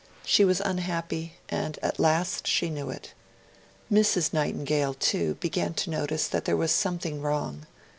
She was unhappy, and at last she knew it. Mrs. Nightingale, too, began to notice that there was something wrong.